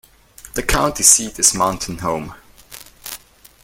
The county seat is Mountain Home.